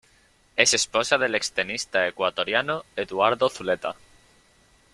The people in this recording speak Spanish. Es esposa del extenista ecuatoriano Eduardo Zuleta.